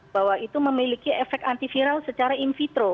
bahwa itu memiliki efek antiviral secara in vitro